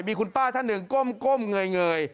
มีคุณป้าท่านหนึ่งก้มเงย